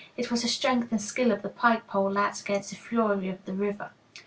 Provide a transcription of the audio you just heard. It was the strength and skill of the pike pole lads against the fury of the river.